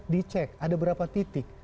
dicek ada berapa titik